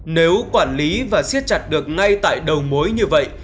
nếu quản lý và siết chặt được ngay tại đầu mối như vậy